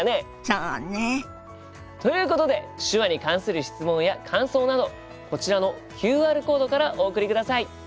そうね。ということで手話に関する質問や感想などこちらのＱＲコードからお送りください。